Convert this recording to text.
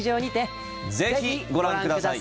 ぜひご覧ください。